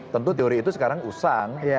tentu teori itu sekarang usang